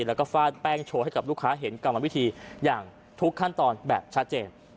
แล้วก็ฟาดแป้งโชว์ให้กับลูกค้าเห็นกรรมวิธีอย่างทุกขั้นตอนแบบชัดเจน